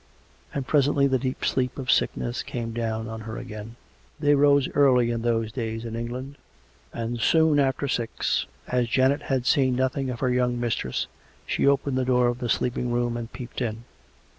And presently the deep sleep of sickness came down on her again. They rose early in those days in England; and soon after six o'clock, as Janet had seen nothing of her young mistress, she opened the door of the sleeping room and peeped in.